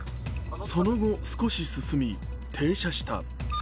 その後、少し進み停車した。